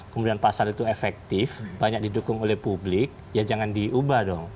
kemudian pasal itu efektif banyak didukung oleh publik ya jangan diubah dong